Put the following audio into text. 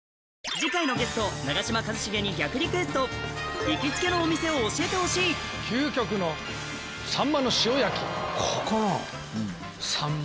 次回のゲスト長嶋一茂に逆リクエスト行きつけのお店を教えてほしいこのあぁ！